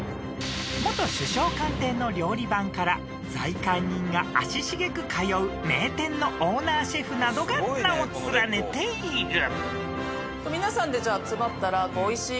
［元首相官邸の料理番から財界人が足しげく通う名店のオーナーシェフなどが名を連ねている］